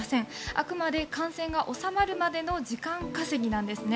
あくまで感染が収まるまでの時間稼ぎなんですね。